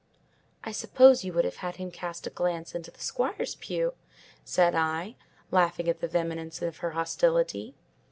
"I suppose you would have had him cast a glance into the squire's pew," said I, laughing at the vehemence of her hostility.